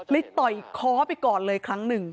ต่อยค้อไปก่อนเลยครั้งหนึ่ง